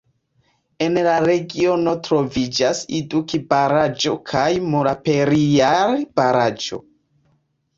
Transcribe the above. En la regiono troviĝas Iduki-Baraĵo kaj Mulaperijar-Baraĵo.